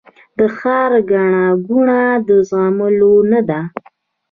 د ښار ګڼه ګوڼه د زغملو نه ده